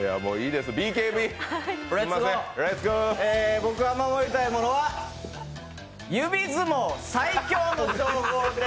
僕が守りたいものは指相撲最強の称号です。